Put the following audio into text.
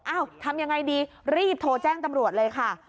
ทำยังไงดีรีบโทรแจ้งตำรวจเลยค่ะ